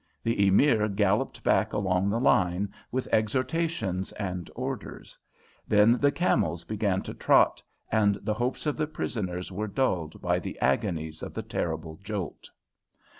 The Emir galloped back along the line, with exhortations and orders. Then the camels began to trot, and the hopes of the prisoners were dulled by the agonies of the terrible jolt.